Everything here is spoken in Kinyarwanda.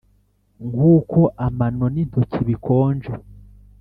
nkuko amano n'intoki bikonje.